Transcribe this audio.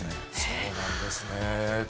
そうなんですね。